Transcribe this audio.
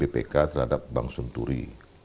bpk terhadap bank sunturi